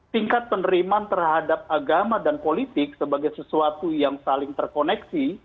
tingkat penerimaan terhadap agama dan politik sebagai sesuatu yang saling terkoneksi